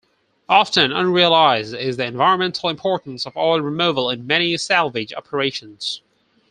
Often unrealized is the environmental importance of oil removal in many salvage operations.